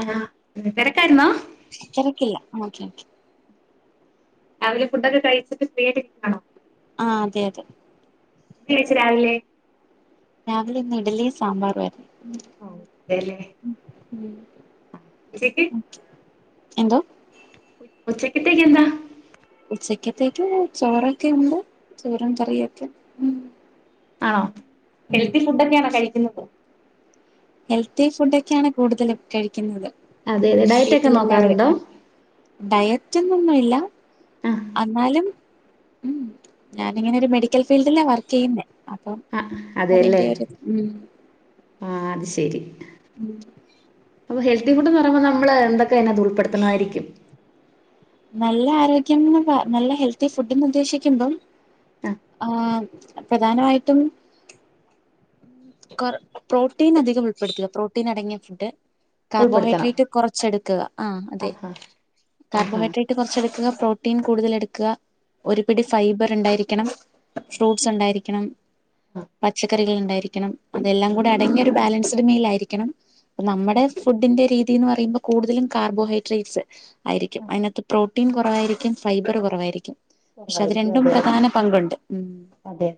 ആഹ് തെരക്കായിരുന്നോ? തെരക്കില്ല- ഓക്കെ ക്കേ- രാവിലെ ഫുഡൊക്കെ കഴിച്ചിട്ട് ഫ്രീ ആയിട്ട് ഇരിക്കാണോ? ആഹ് അതെ അതെ- വിളിച്ച് രാവിലെ- രാവിലെ ഇന്ന് ഇഡലിയും സാമ്പാറും ആയിരുന്നു- ഓ അതെ ല്ലേ ഉച്ചക്ക്- എന്തോ? ഉച്ചത്തേക്ക് എന്താ- ഉച്ചക്കത്തേക്ക് ഊ ചോറൊക്കെ ഉണ്ട്- ചോറും കറിയൊക്കെ മ്- ആണോ? ഹെൽത്തി ഫുഡ് ഒക്കെയാണോ കഴിക്കുന്ന ഹെൽത്തി ഫുഡ് ഒക്കെ ആണ് കൂടുതലും കഴിക്കുന്നത് അതെ അതെ ഡയറ്റ് ഒക്കെ വീട്ടിലെല്ലാവരും നോക്കാറുണ്ടോ ഡയ- ഡയറ്റൊന്നും ഇല്ല ആഹ് ഉം ഞാൻ ഇങ്ങനെ ഒരു മെഡിക്കൽ ഫീൽഡിലാ വർക്ക് ചെയ്യുന്നേ അപ്പം ആഹ് അതെ അല്ലേ അതിന്റെ ഒരു ആഹ് അത് ശരി ഉംമ് അപ്പൊ ഹെൽത്തി ഫുഡ് എന്ന് പറയുമ്പോ നമ്മള് എന്തൊക്കെ അതിനകത്ത് ഉൾപ്പെടുത്തണായിരിക്കും നല്ല ആരോഗ്യം എന്ന് നല്ല ഹെൽത്തി ഫുഡ്ന്ന് ഉദ്ദേശിക്കുമ്പം- ആഹ് ആഹ് പ്രധാനമായിട്ടും പ്രോട്ടീൻ അധികം ഉൾപ്പെടുത്തുക പ്രോട്ടീൻ അടങ്ങിയ ഫുഡ് ഉൾപ്പെടുത്തണം കാർബോഹൈഡ്രേറ്റ് കൊറച്ചെടുക്കുക ആ അതെ ആഹാ ആഹാ കാർബോഹൈഡ്രേറ്റ് കൊറച്ചെടുക്കുക പ്രോട്ടീൻ കൂടുതൽ എടുക്കുക ഒരു പിടി ഫൈബർ ഉണ്ടായിരിക്ക- രിക്കണം [unintelligible] ഫ്രൂട്ട്സ് ഉണ്ടായിരിക്കണം, പച്ചക്കറികൾ- ഉണ്ടായിരിക്കണം അതെല്ലാം കൂടെ അടങ്ങിയ ഒരു ബാലൻസ് ഇത് മേൽയായിരില്ലണം നമ്മുടെ ഫുഡിന്റെ രീതി ത്തീന്ന് പറയുമ്പോ കൂടുതലും കാർബോഹൈഡ്രേറ്റ്സ് ആയിരിക്കും അയ്നാത്ത് പ്രൊ പ്രൊട്ടീൻ കൊറവായിരിക്കും ഫൈബറ് കൊറവായിരിക്കും കൊറവായിരിക്കും അതെ ഉം അതെ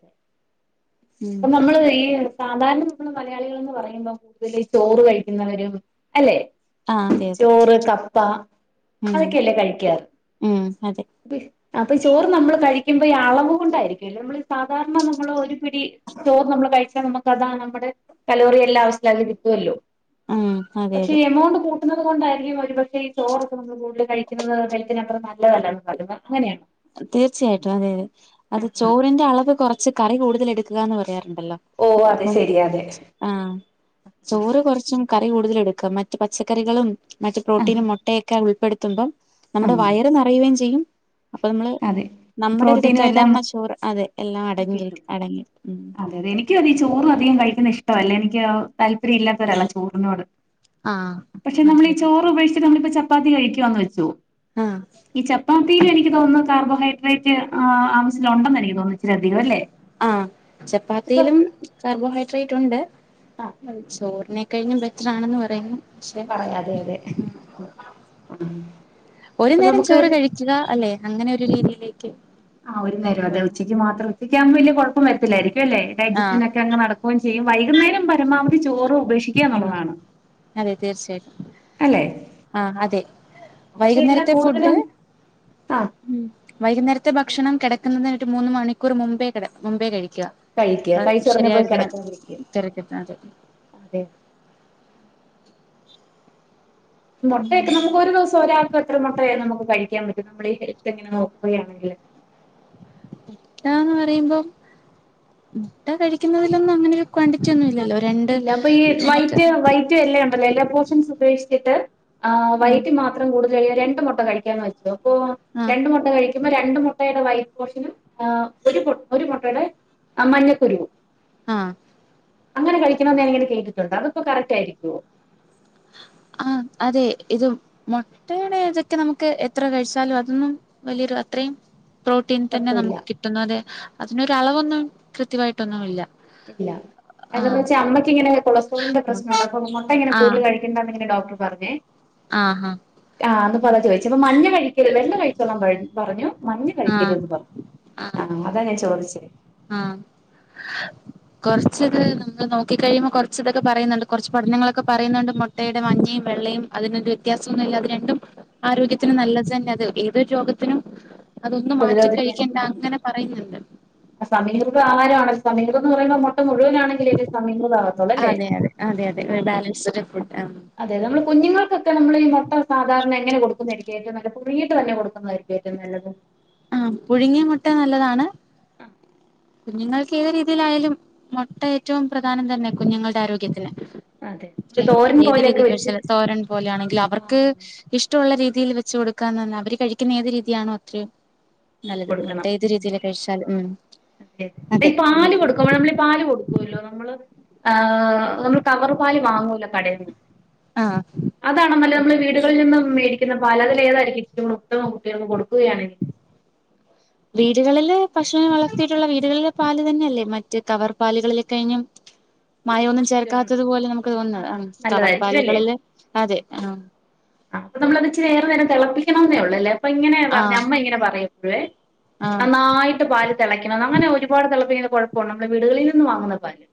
ഉം മ്മള് മലയാളികളെന്ന് പറയ് യുമ്പം കൂടുതല് ചോറ് കഴി ഇന്ന് വരും അല്ലെ ആഹ് അതെ അതെ ചോറ് കപ്പ ഉം അതൊക്കെയല്ലേ കഴിക്യ ഉം അതെ അപ്പ ഈ ചോറ് നമ്മള് കഴിക്കുമ്പ ഈ അളവ് കൊണ്ടായിരിക്കുവല്ലോ നമ്മള് ഈ സാധാരണ നമ്മള് ഒരു പിടി ചോറ് നമ്മള് കഴിച്ചാൽ നമു കഥ നമ്മടെ കലോറിയെ അല്ലാ ആവശ്യത്തിൽ അധികം കിട്ടുവല്ലോ ഉം അതെ പക്ഷെ അതെ ഈ എമൗണ്ട് കൂട്ട് കഴിക്കുന്നത്‌ കൊണ്ടായിരിക്കും ഒരുപക്ഷെ ഈ ചോറു നമ്മള് കൂടുതൽ കഴിക്കുന്നത്‌ കൊണ്ടായിരിക്കും ഞാൻ പറഞ്ഞത് നല്ലത് അല്ലന് വലിമ [unintelligible] തീർച്ചയായിട്ടും അതെ അതെ അത് ചോറിന്റെ അളവ് കൊറച്ച് കറി കൂടുതലെടുക്കുക എന്ന് പറയാറ് ണ്ടല്ലോ ഓ അതെ അപ്പം ശരി അതെ ആഹ് ചോറ് കൊറച്ചു കറി കൂടുതല് എടുക്കാം മറ്റ് പച്ചക്കറി മറ്റ് ആ പ്രോട്ടീനും മൊട്ടയൊക്ക ഉൾ പെടുത്തുമ്പം ആ നമ്മുടെ വയറ് നറയുവേം ചെയ്യും അപ്പൊ നമ്മള് അതെ നമ്മുടെ ഒരു പ്രോട്ടീനും തെറ്റായ എല്ലാം ധാരണ ചോറ് അതെ എല്ലാം അടങ്ങി കിട്ടും അടങ്ങി ഉം അതെ അതെ എനിക്കും അതെ ചോറും അധികം കഴിക്കുന്ന ഇഷ്ടവല്ല എനിക്ക് ക്ക് താല്പര്യം ഇല്ലാത്തൊരാളാ ചോറിനോട് ആഹ് പക്ഷെ നമ്മളീ അതെ ചോറ് ഉപേക്ഷി ഇപ്പ നമ്മളിപ്പ ചപ്പാത്തി കഴിക്കുവാന്ന് വെച്ചോ ആഹ് ഈ ചപ്പാ തീരും എനിക്ക് തോന്നുന്ന കാർബോഹൈട്രേ റ്റ് ആ ആവശ്യത്തിലൊണ്ടെന്ന് എനിക്ക് തോന്നിച്ച് ച്ചിരി അധികവല്ലേ ആഹ് ചപ്പാത്തീലും കാർബോഹൈഡ്ര ഡ്രേറ്റൊണ്ട് ആ ചോർന് കഴിഞ്ഞും ബെറ്ററാണെന്ന് പറയുന്നു പറയാം അതെ അതെ ഒരു ഇപ്പൊ നേരം നമുക്ക് ചോറ് കഴിക്കുക അല്ലെ അങ്ങനെ ഒരു രീതിയിലേക്ക് ആ ഒരു നേരം അതെ ഉച്ചക്ക് മാത്രം ഉച്ചയ്ക്കാവുമ്പോ വലിയ കുഴപ്പ പ്പം വരത്തില്ലായിരിക്കും അല്ലേ ആഹ് ഡൈജഷൻ ഒക്കെ അങ്ങ് നടക്കുവോം ചെയ്യും വൈകുന്നേരം പരമാവധി ചോറ് ഉപേക്ഷിക്കുക ഉം എന്നുള്ളതാണ് അല്ലെ ആ അതെ പക്ഷെ എല്ലാം വൈകുന്നേരത്തെ ഫുഡ് കൂടുതലും ആ വൈകുന്നേര ത്തെ ഭക്ഷണം കിടക്കുന്നതിന് ഒരു മൂന്ന് മണിക്കൂർ മുമ്പേ കെട മുമ്പേ കഴിക് ക്കാ കഴിക്കുക അപ്പ കഴിച്ചുറങ്ങി ശരിയായ പോയി കിടക്കാതിരിക്കുക [unintelligible] അതെ മുട്ടയൊക്കെ നമുക്ക് ഒരു ദിവസ ഒരാൾക്കക്ക് എത്ര മുട്ടയ നമുക്ക് കഴിക്കാൻ പറ്റും നമ്മുടെ ഹെൽത്ത് എങ്ങനെ നോക്കയാണെങ്കില് മുട്ടാന്ന് പറയുമ്പം മുട്ട കഴിക്കുന്നതിലൊന്നും അങ്ങനെ ക്വാണ്ടിറ്റിയൊന്നുമില് ഇല്ല അപ്പൊ ഈ വൈറ്റ് വൈറ്റും എല്ലോയും ഉണ്ടല്ലോ എല്ലോ പോർഷൻസ് ഉപേക്ഷിച്ചിട്ട് ആ ആഹ് വൈറ്റ് മാത്രം കൂടുതൽ കഴിക്കാ രണ്ടുമുട്ട ക്കെ കഴിക്കാൻ പറ്റുമോ ഓ ആഹ് രണ്ട് മുട്ട കഴിക്ക മ്പോ രണ്ട് മുട്ടയുടെ വൈറ്റ് പോഷനും ആ ഒരു ഒരു മുട്ടയുടെ മഞ്ഞക്കുരുവും ആഹ് അങ്ങനെ കഴിക്കണന്ന് ഞാൻ ഇങ്ങനെ കേട്ടിട്ടുണ്ട് അതിപ്പോ കറക്റ്റ് ആയിരിക്കുമോ ആ അതെ ഇത് മുട്ടയുടെ തൊക്കെ നമുക്ക് എത്ര കഴിച്ചാലും അതൊന്നും വലിയൊരു അത്രയും പ്രോട്ടീൻ തന്നെ കുഴപ്പമില്ല നമുക്ക് കിട്ടുന്നതെ അതിനൊരളവൊന്നും കൃത്യമായിട്ടൊന്നുമില്ല ഇല്ല എന്താന്ന് വെച്ചാ അമ്മയ്ക്ക് ഇങ്ങനെ കൊളസ്ട്രോളിൻ്റെ പ്രശ്നമുണ്ട് അപ്പ മുട്ട ഇങ്ങന ആഹ് കൂടുതല് കഴിക്കണ്ടാന്ന് ഡോക്ടർ പറഞ്ഞെ ആഹ് ആഹ് അന്ന് പോല ചോദിച്ചപ്പൊ മഞ്ഞ കഴിക്ക [unintelligible] വെള്ള കഴിച്ചോളാൻ പറഞ്ഞു മഞ്ഞ ആഹ് കഴിക്കരുതെന്ന് പറഞ്ഞു ആ അതാ ഞാൻ ചോദിച്ചെ ആ കുറച്ച് ഇത് നമ്മൾ നോക്കി കഴിയുമ്പോൾ കുറച്ചിതൊക്കെ പറയുന്നുണ്ട് കുറച്ച് പഠനങ്ങളൊക്കെ പറയുന്നുണ്ട് മുട്ടയുടെ മഞ്ഞയും വെള്ളയും അതിനൊരു വ്യത്യാസമൊന്നുമില്ല അത് രണ്ടും ആരോഗ്യത്തിന് നല്ലത് തന്നെ അത് എതൊരു രോഗത്തിനും അതൊന്ന് മാറ്റി പ്രതിരോധിക്കാൻ കഴിക്കണ്ട ഉം. അങ്ങനെ പറയന്നുണ്ട് പ്പ ആരാണ് സമിറെന്ന് പറയ മുഴുവനാണെങ്കിലെത് സമിക്രതവാകത്തൊള്ളൂ അല്ലേ അതെ അതെ അതെ അതെ ഒരു ആഹ് ബാലൻസ്ഡ് ഫുഡ് ആ അതെ ഉം. നമ്മള് കുഞ്ഞുങ്ങൾക്കൊക്കെ നമ്മള് ഈ മൊട്ട സാധാരണ അങ്ങനെ കൊടുക്കുന്നെയായിരിക്കും ഏറ്റോ നല്ല കുറുകീട്ട്തന്നെ കൊടുക്കുന്നതരിക്കും ഏറ്റം നല്ലത് ആഹ് പുഴുങ്ങിയ മുട്ട നല്ലതാണ് കുഞ്ഞുങ്ങൾക്ക് ഏത് രീതിലായാലും മൊട്ട ഏറ്റവും പ്രധാനം തന്നെ കുഞ്ഞുങ്ങളുടെ ആരോഗ്യത്തിന് അതെ ഒരു തോരൻ ഏത് രീതിൽ പോലെയൊക്കെ വെച്ച് കഴിച്ചാലും തോരൻ പോലെയാണെങ്കിലും ആ അവർക്ക് ഇഷ്ടൊള്ള രീതി രീതിയിൽ വെച്ച് കൊടുക്കാനൊന്ന അവര് കഴിക്കുന്ന ഏത് രീതിയാണോ അത്രയൊ നല്ലത് കൊടുക്കണം മൊട്ടേ ഏത് രീതിൽ കഴിച്ചാലും ഉം തെ ഈ അതെ പാല് കൊടുക്കമ്പ നമ്മള് ഈ പാല് കൊടുക്കൂല്ലോ നമ്മള് ആഹ് നമ്മള് കവറ് പാൽ വാങ്ങുല്ലോ കടേന്ന് ആ അതാണ് നമ്മള് വീടുകളി നിന്ന് മേടിക്ക്ന്ന ന്ന പാല അതില് ഏതാരിക്കും ഇച്ചിരൂടെ ഉത്തമം കുട്ടികൾക്ക് കൊടുക്കുകയാണെങ്കി വീടുകളില് പശൂനെ വളർത്തിയിട്ടുള്ള വീടുകളിലെ പാല് തന്നെയല്ലേ മറ്റ് കവർ പാലുകളിൽ കഴിഞ്ഞും മായൊന്നും ചേർക്കാത്തതുപോലെ നമുക്ക് തോന്നുന്നത് ആഹ് അം നല്ലതായിരിക്കും അല്ലേ കവർപ്പാലുകളില് അതെ ആഹ് ണംന്നേ ഒള്ളേല്ലേ അപ്പൊ ഇങ്ങനെ പറഞ്ഞു അമ്മ ഇങ്ങനെ പറയും പ്പഴുവേ ആഹ് നന്നായിട്ട് പാലു തിളക്കണം അങ്ങനെ ഒരുപാട് തിളപ്പി- കുഴപ്പണ നമ്മള വീടുകളിൽ നിന്നും വാങ്ങുന്നപാല്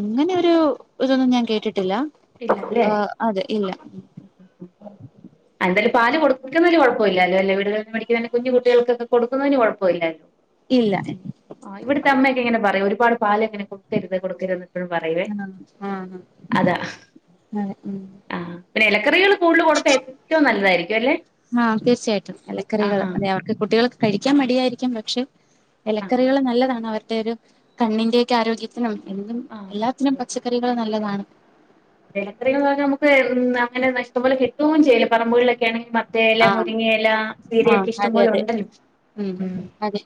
അങ്ങനെ ഒരു ഇതൊന്നും ഞാൻ കേട്ടിട്ട്- ട്ടില്ല ഇല്ല അല്ലേ അതെ ഇല്ല ആഹ് എന്തായാലും പാല് കൊടുന്നൊരു കൊഴപ്പില്ലോ അല്ലെ വീടുകളിൽന്ന് മേടിക്കുന്ന കുഞ്ഞ് കുട്ടികൾക്കൊക്കെ കൊടുന്നേന് കുഴപ്പ ഇല്ല ഇല്ല ആ ഇവിടുത്തെ അമ്മയൊക്കെ ഇങ്ങനെ പറയെ ഒരുപാട് പാല് ഇങ്ങനെ കൊടുക്കരുത് കൊടുക്കരുന്ന് എപ്പോഴും പറയുവേ ആഹ് ആഹ് അതാ- അതെ ഉം ആഹ് പിന്നെ ഇലക്കറികൾ കൂടുതൽ കൊടുത്തഏറ്റവു ന- നല്ലാരിക്- ആഹ് തീർച്ചയായിട്ടും ഇലക്കറികൾ ആഹാ അതെ അവർക്ക് കുട്ടികൾ കഴിക്കാൻ മടിയായിരിക്കും പക്ഷെ ആഹ് ഇലക്കറികൾ നല്ലതാണ് അവർ- മറ്റേരു കണ്ണിന്റൊക്കെ ആരോഗ്യത്തിനും എന്തും ആഹ് എല്ലാത്തിനും പച്ചക്കറികള് നല്ലതാണ്. ഇലക്കറി മ്മക്ക് അങ്ങനെ ഇഷ്ടം പോലെ കിട്ടേം ചെയ്യില്ല പറമ്പികളിലൊക്കെ മത്തയെല ആഹ് മുരിങ്ങല ആഹ് ചീരയൊക്കെ ഇഷ്ടം അതെ പോലെ അതെ ഒണ്ടല്ലൊ ഉം അതെ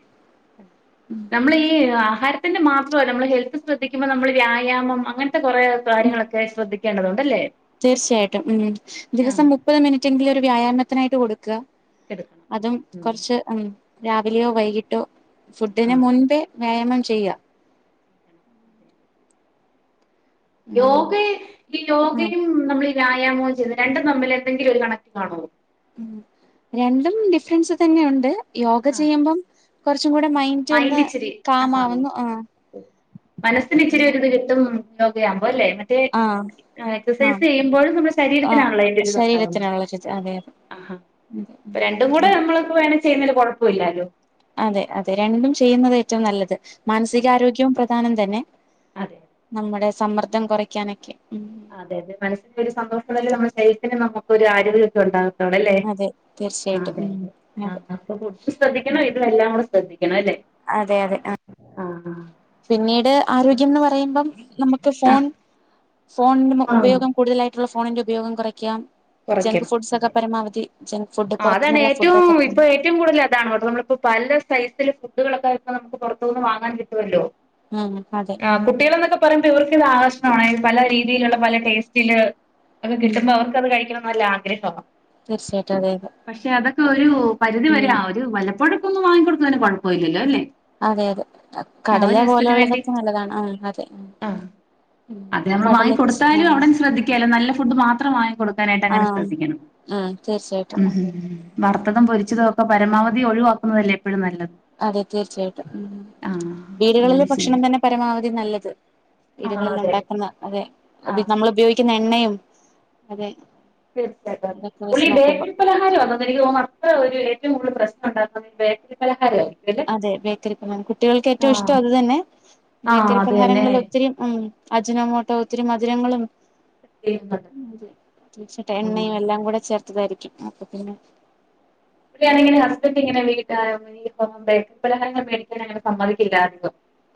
നമ്മൾ ഈ ആഹാര- ത്തി മാത്രമല്ല നമ്മൾ ഹെൽത്ത് ശ്രദ്ിക്കുമ്പൾ നമ്മൾ വ്യായാമം അങ്ങനെ കുറേ കാര്യങ്ങളൊക്കെ പഠിക്കേണ്ടതുണ്ടല്ലേ തീർച്ചയായിട്ടും ഉ ദിവസം മുപ്പത് മിനിറ്റെങ്കിലും ഒരു വ്യായാമത്തിനായിട്ട് കൊടുക്ക ക്ക എടുക്കണം അതും ഉം കുറച്ച് ഉം രാവിലെയോ വൈകിട്ടോ ഫുഡിന് ആഹ് മുൻപേ വേയമം ചെയ്യ യോഗ ഈ ആഹ് യോഗയും നമ്മൾ വ്യായാമോ ചെയ്യുന്നത് രണ്ടും തമ്മിൽ എന്തെങ്കിലും ഒരു കണക്ക കാണോ ഉ രണ്ടും ഡിഫറൻസ് തന്നെ ഉണ്ട് യോഗ ചെയ്യുമ്പം കുറച്ച് മൈന്ഡറ് ഇച്ചിരി ആ ആഹ് മനസ്സിന് ഇച്ചിരി പിന്നെ ഒരു ത് കിട്ടും കയ അല്ലേ മറ്റേ ആഹ് എക്സസൈസ് ആഹ് ചെയ്യുമ്പോഴും നമ്മുടെ ആഹ് ശരീരത്തിനാണല്ലോ അതിന്റെ ഒരുത് ഉണ്ടാാവുന്നത് ശരീരത്തിനുള്ള അതെ അതെ ആഹ അ രണ്ടും കൂടെ അതെ നമ്മൾ വേണ ചെയ്യുന്നകൊഴപ്പോ പോല്ലാലോ അതെ അതെ രണ്ടും ചെയ്യുന്നത് ഏറ്റവും നല്ലത് അതെ മാനസികാരോഗ്യം സ്ഥാനം തന്നെ അതെ നമ്മുടെ സമ്മർദ്ദം കുറയ്ക്കാനൊക്കെ ഉം അതെ അതെ മനസ്സി ഒരു സന്തോഷം നമ്മുടെ ശരീരത്തിന് നു നമ്മക്ക് ഒരു ആരോഗ്യ ഒക്കെ ഉണ്ടാാവും ടല്ലേ അതെ തീർച്ചയായിട്ടും ഉം അതെതെ ആ അതെ അപ്പ ഫുഡും ശ്രദ്ധിക്കണം ഇതും എല്ലാം കൂടെ ശ്രദ്ധിക്കണം അല്ലേ അതെ അതെ ആ ആ പിന്നീട് ആരോഗ്യംന്ന് പറയുമ്പം നമുക്ക് ആ ഫോൺ ഫോണിന്റെ ആ ഉപയോഗം കൂടുതലായിട്ടുള്ള ഫോണിന്റെ ഉപയോഗം കുറയ്ക്കാം ജങ്ക് ഫുഡ്സ് ഒക്കെ കുറക്കണം പരമാവധി ജങ്ക് ഫുഡ് ആ അതാണ് പുറത്തുന്നുള്ള ഏറ്റവും ഫുഡൊക്കെ ഇപ്പൊ ഏറ്റവും കൂടുതൽ അതാണ് നമ്മളിപ്പോ പല സൈസില് ഫുഡുകളൊക്കെ പ്പം നമുക്ക് പുറത്തുനിന്ന് വാങ്ങാൻ കിട്ടു മല്ലോ ഉം അതെ ആഹ കുട്ടികൾ എന്നൊക്കെ പറയുമ്പോ ഇവർക്ക് ആകർഷണമാണ് പല രീതിയിലുള്ള പല ടേസ്റ്റില് അത്കിട്ടുമ്പോ അവർക്ക് അത് കഴിക്കും നല്ലാഗ്രഹ തീർച്ചയായിട്ടും അതെ അതെ പക്ഷെ അതൊക്കെ ഒരു പരിധി വരെ ഉം ഒരു വല്ലപ്പോഴ വാങ്ങി കൊടുക്കുന്നേന് കൊഴപ്പോല്ലല്ലോ അല്ലെ അതെ അതെ കടല വേണ്ടി പോലെള്ളതൊക്കെ നല്ലതാണ് ആ അതെ ആഹ് അത് നമ്മള് കടല വാങ്ങി ച്ച് കൊടുത്താലും അവിടെ ആ ങ്ങനെ ഉം സ്രദ്ധിക്കണം ഉം തീർച്ചയായിട്ടും വറുത്തതും പൊരിച്ചതും ഒക്കെ പരമാവധി ഒഴിവാക്കുന്നതല്ലേ പ്പോഴും നല്ലത് അതെ തീർച്ചായിട്ടും ആഹ് വീടുകളില് അങ്ങനെ ഭക്ഷണം ചെയ്യണം തന്നെ പരമാവധി നല്ലത് ആഹ് വീടുകളിൽ അതെ ഉണ്ടാക്കുന്ന അതെ ആഹ് ഉപ നമ്മൾ ഉപയോഗിക്കുന്ന എണ്ണയും അതെ തീർച്ചായിട്ടും അതെ അതൊക്കെ വെച്ച് ഫുള്ളി നോക്കുമ്പോ ബേക്കറി പലഹാരംആണെന്ന് എനിക്ക് തോന്നു അത്ര ഒരു ഏറ്റവും കൂടുതൽ പ്രശ് ണ്ടാക്കുന്നത് ബേക്കറി പലഹാരമായിരിക്കും അല്ലേ അതെ ബേക്കറിപലഹാരം കുട്ടികൾക്ക് ഏറ്റവും ആഹ് ഇഷ്ടം അത് തന്നെ ആഹ് ബേക്കറി അത് തന്നെ പലഹാരങ്ങളിൽ ഒത്തിരി ഉം അജ്നമോട്ടോ ഒത്തിരി മധുരങ്ങളും ചെയ്യുന്നുണ്ട്. ചിട്ട ആഹ് ണ്ണയും എല്ലാ കൂടെ ചേർ തായിരിക്കും അപ്പൊ പിന്നെ ഇവിടെണെങ്കിൽ ഹസ്ബന്റിങ്ങനെ വിളി [unintelligible] ബേക്കറിപലഹാരങ്ങൾ മേടിക്കാൻ അങ്ങനെ സമ്മതിക്കില്ലാരന്നു.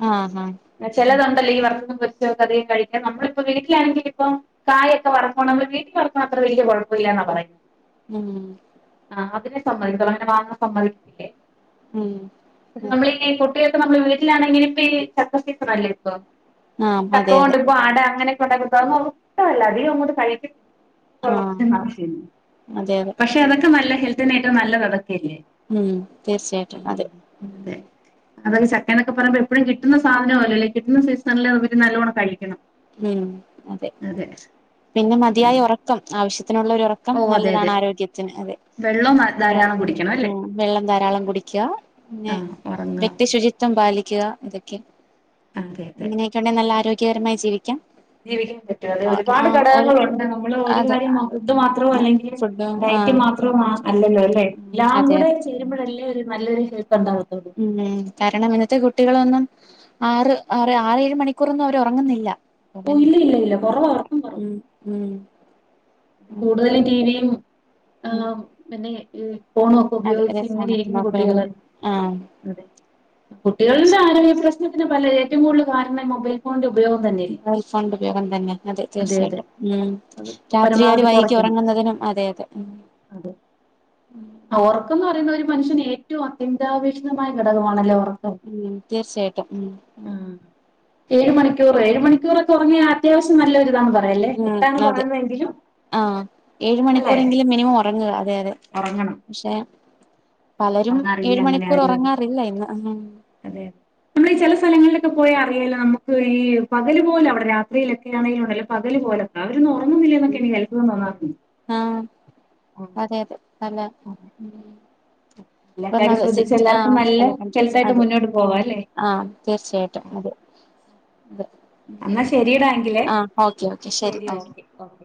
ആഹ് ആഹ് ചെലതുണ്ടല്ലേ ഈ വർ [unintelligible] അധികം കഴിക്ക നമ്മളിപ്പോ വീട്ട്ലാണെങ്കി പ്പം കായൊക്കെ വറക്കോണം മ്മൾ വീട്ടിൽ വറക്ക്ണത്ര വല്ല്യ കൊയപ്പംല്ലാന്നാ പറയുന്നെ ഉം ആ [unintelligible] സമ്മതി [unintelligible] [unintelligible] സമ്മതിക്കില്ലേ ഉം നമ്മളിങ്ങീ കുട്ടി ഇ നമ്മൾ വീട്ടിലാണെങ്കില് പ്പ ഈ ചക്ക സീസണല്ലേ ഇപ്പൊ ചക്ക അതെ ആഹ് അതെ കൊണ്ട് അതെ പ്പോ അട അങ്ങനെ [unintelligible] ഷ്ടമല്ല അതി അങ്ങോട്ട് കഴിക്കില്ല ആഹ് അതെ അതെ പക്ഷെ അതൊക്കെ നല്ല ഹെൽ പിന്നെ നല്ലത ഉം തീർച്ചയായിട്ടും അതെ അതെ അതൊക്കെ ചക്ക ന്നൊക്കെ പറയുമ്പോ എപ്പളും കിട്ടുന്ന സാധന അല്ലോ അല്ലെ കിട്ടുന്ന സീസണില് നല്ലോണം കഴിക്കണം ഉം അതെ പിന്നെ മതിയായ ഉം ഉറക്കം ആവശ്യ ത്തിനുള്ളൊരു റക്കം ഓ അതെ നല്ലതാണ് അതെ ആരോഗ്യത്തിന് അതെ വെള്ളം എത്ര ധാരാളം കുടിക്കണം അല്ലേ വെള്ളം ധാരാളം കുടിക്കുക പിന്നെ ആഹ് ഉറങ്ങുക വ്യക്തി ശുചിത്വം പാലി ക്ക്യാ ഇതൊക്കെ അതെ അതെ അങ്ങനെയൊക്കെണ്ടെ നല്ല ആരോഗ്യ കേരമായി ജീവി ക്യാം ജീവിക്കാൻ പറ്റും അതെ ഒരുപാട് ഘടകങ്ങളുണ്ട് നമ്മള് ഒരു അതെ കാര്യം മാ ഫുഡ് മാത്രോ ആരോഗ്യം അല്ലെങ്കിൽ ഫുഡ് ആ ഡയറ്റ് മാത്രമോ അല്ലല്ലോല്ലെ എല്ലാം അതെ കൂടെ അതെ ചേരുമ്പോഴല്ലേ ഒരു നല്ലൊരു ഹെൽ ത്ത് ഉം കാരണം ഇന്നത്തെ കുട്ടികളൊന്നും ആറ് ആ ആറേഴ് മണിക്കൂറൊന്നും അവർ ഉറങ്ങുന്നില്ല അപ്പൊ പ്പൊ പിന്നെ ഇല്ലല്ല കുറവാ ഒർക്കം കുറവാ ഉം കൂടുതലും ടിവിയും ആ ഉം മന്നെ ഉം ഫോണൊക്കെ അതെ ഉപയോഗിച്ച് അതെ ഫോണൊക്കെ ഇങ്ങനെയിരിക്കും നോക്ക കുട്ടികള് ആ അതെ കുട്ടികളിലെ ആരോഗ്യ പ്രശ് [unintelligible] ഏറ്റവും കൂടുതൽ കാരണം മൊബൈൽ ഫോണിന്റെ ഉപ മൊബൈൽ ഫോൺന്റെ ഉപയോഗം തന്നെ അതെ തീർച്ചയായിട്ടും ഉം അത് രാ ഇത്തിരി ഒരു പരമാവധി വൈകി കൊറയ്ക്കണം. ഉറങ്ങുന്നതിനും അതെ അതെ ഉം അതെ ആഹ് ഒറക്കംന്ന് പറയുന്ന ഒരു മനുഷ്യന് ഏറ്റവും അത്യന്താപേക്ഷിതമായ ഘടകമാണല്ലോ ഒറക്കം. ഉം തീർച്ചയായിട്ടും ഉം ആഹ് ഏഴ് മണിക്കൂർഏഴ് മണിക്കൂറക്കെ ഒർങ്ങിയാഅത്യാവശ്യം നല്ല ഒരുതാന്ന് പറ അതല്ലേ എട്ടാണ് പറയുന്നതെങ്കി ആ ഏഴ് മണിക്കൂറെങ്കിലും മിനിമം ഒറങ്ങുക അതെ അതെ പക്ഷേ അന്ന് അറിയില്ല എങ്ങനെ ആയിരുന്നെന്ന് ഉറങ്ങാറില്ല ഇന്ന് അതെ അറിയില്ല നമ്മുക്ക് ഈ പകല് പോലെ അവിടെ രാത്രിയിലൊക്കെ ആണെങ്കിലും ഉണ്ടല്ലോ പകല് പോലൊക്ക ഉറങ്ങുന്നില്ല എന്നൊക്കെ [unintelligible] ആഹ് അതെ അതെ നല്ല ഉം എല്ലാ കാര്യം ശ്രദ്ധിച്ച് [unintelligible] ആ എല്ലാർക്കും നല്ല [unintelligible] ഹെൽത്തായിട്ട് അതെ മുന്നോട്ട് പോവാ അല്ലേ? ആ തീർച്ചയായിട്ടും അതെ അതെ എന്നാ ശെരിറാങ്കിലേ ആഹ് ഓക്കെ ഓക്കെ ശരി ശെരി ആ ഓക്കെ ഓക്കെ